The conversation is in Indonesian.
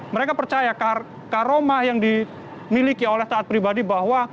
mereka percaya karomah yang dimiliki oleh taat pribadi bahwa